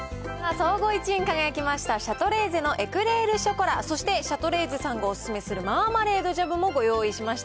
総合１位に輝きました、シャトレーゼのエクレール・ショコラ、そしてシャトレーゼさんがお勧めするマーマレードジャムもご用意しました。